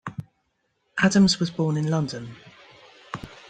Adams was born in London.